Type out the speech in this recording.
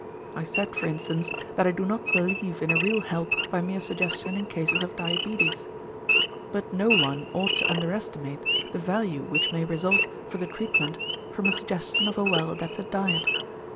I said, for instance, that I do not believe in a real help by mere suggestion in cases of diabetes. But no one ought to underestimate the value which may result for the treatment from a suggestion of a well adapted diet.